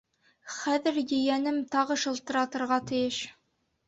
Хәҙер ейәнем тағы шылтыратырға тейеш.